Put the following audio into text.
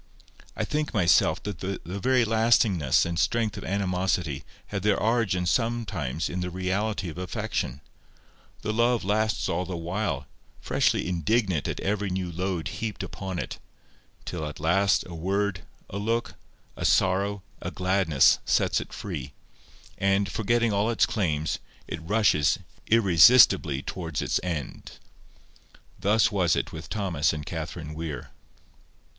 I think myself that the very lastingness and strength of animosity have their origin sometimes in the reality of affection: the love lasts all the while, freshly indignant at every new load heaped upon it; till, at last, a word, a look, a sorrow, a gladness, sets it free; and, forgetting all its claims, it rushes irresistibly towards its ends. Thus was it with Thomas and Catherine Weir.